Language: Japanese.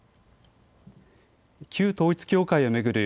旧統一教会を巡る